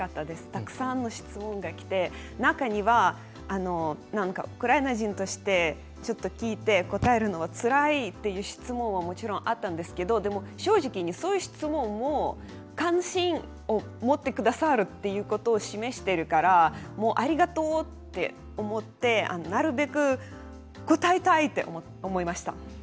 たくさんの質問がきて、中にはウクライナ人としてちょっと聞いて答えるのもつらいという質問ももちろんあったんですけど正直にそういう質問を関心を持ってくださるということを示しているからありがとう！って思ってなるべく答えたいと思いました。